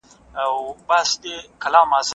نوي ترکیبات د ژبې په بډاینې کې مرسته کوي.